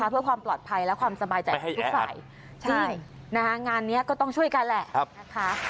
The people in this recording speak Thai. เพื่อความปลอดภัยและความสบายใจของทุกฝ่ายจริงงานนี้ก็ต้องช่วยกันแหละนะคะ